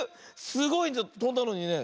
すごいとんだのにね。